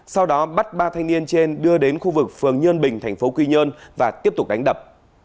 sau đó bắt ba thanh niên trên đưa đến khu vực phường nhơn bình thành phố quy nhơn và tiếp tục đánh đập